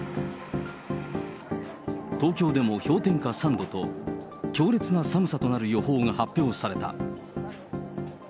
東京でも氷点下３度と、強烈な寒さとなる予報が発表された。